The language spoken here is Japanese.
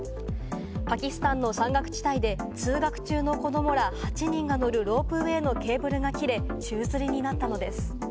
パキスタンの山岳地帯で通学中の子どもら８人が乗るロープウエーのケーブルが切れ、宙づりになったのです。